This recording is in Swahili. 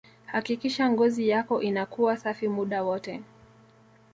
hakikisha ngozi yako inakuwa safi muda wote